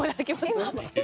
今？